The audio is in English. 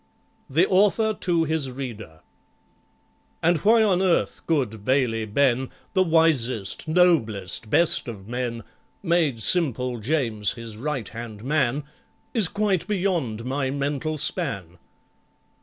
The Author to his Reader And why on earth good BAILEY BEN (The wisest, noblest, best of men) Made SIMPLE JAMES his right hand man Is quite beyond my mental span.